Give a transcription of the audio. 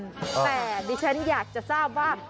แต่ดิฉันอยากจะทราบว่า